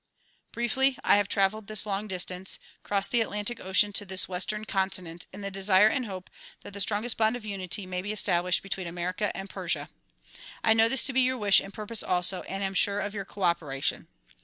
Briefly ; I have traveled this long distance, crossed the Atlantic Ocean to this western continent in the desire and hope that the strongest bond of unity may be established between America and Persia. I know this to be your wish and pui pose also and am sure of your cooperation.